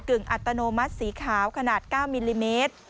อัตโนมัติสีขาวขนาด๙มิลลิเมตร